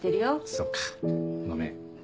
そっかごめん。